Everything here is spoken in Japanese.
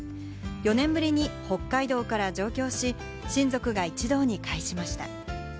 ４年ぶりに北海道から上京し、親族が一堂に会しました。